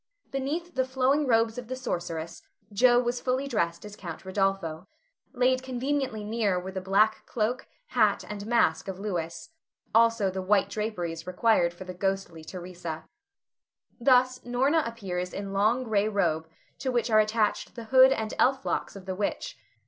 Beneath the flowing robes of the sorceress Jo was fully dressed as Count Rodolpho. Laid conveniently near were the black cloak, hat, and mask of Louis, also the white draperies required for the ghostly Theresa. Thus, Norna appears in long, gray robe, to which are attached the hood and elf locks of the witch.